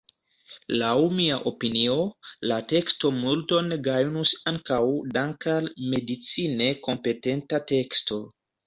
Laŭ mia opinio, la teksto multon gajnus ankaŭ dank’ al medicine kompetenta teksto.